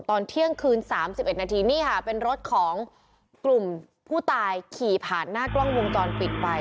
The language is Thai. ตอนเที่ยงคืน๓๑นาทีนี่ค่ะเป็นรถของกลุ่มผู้ตายขี่ผ่านหน้ากล้องวงจรปิดไป